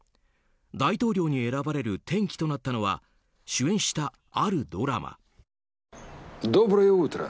大統領に選ばれる転機となったのは主演したあるドラマ。